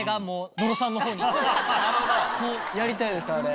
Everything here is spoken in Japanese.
やりたいですあれ。